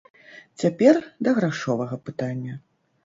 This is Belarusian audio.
Цяпер да грашовага пытання.